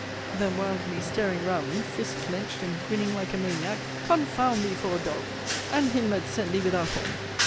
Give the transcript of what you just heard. Then wildly staring round me, fists clenched, and grinning like a maniac, Confound thee for a dog, and him that sent thee without one!